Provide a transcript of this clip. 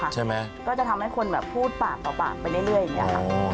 ใช่ไหมก็จะทำให้คนแบบพูดปากต่อปากไปเรื่อยอย่างนี้ค่ะ